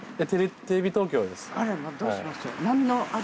テレビ東京です。